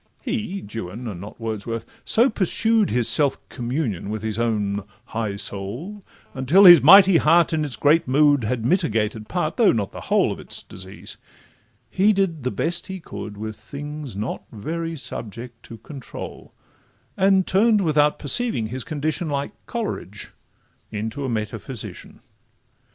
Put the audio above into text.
He, Juan (and not Wordsworth), so pursued His self communion with his own high soul, Until his mighty heart, in its great mood, Had mitigated part, though not the whole Of its disease; he did the best he could With things not very subject to control, And turn'd, without perceiving his condition, Like Coleridge, into a metaphysician.